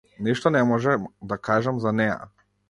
Ништо не можам да кажам за неа.